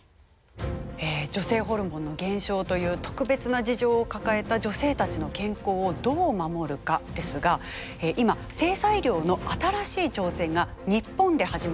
女性ホルモンの減少という特別な事情を抱えた女性たちの健康をどう守るかですが今性差医療の新しい挑戦が日本で始まっています。